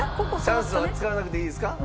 チャンスは使わなくていいですか？